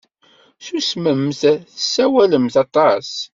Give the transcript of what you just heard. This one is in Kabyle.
Susmemt! Tessawalemt aṭas.